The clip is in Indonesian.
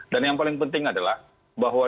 dan yang paling penting adalah bahwa